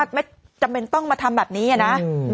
ปรากฏว่าสิ่งที่เกิดขึ้นคลิปนี้ฮะ